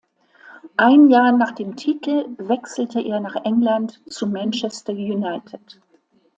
Ein Jahr nach dem Titel wechselte er nach England zu Manchester United.